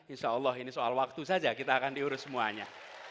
insya allah ini soal waktu saja kita akan diurus semuanya